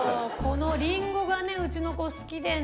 このりんごがねうちの子好きでね。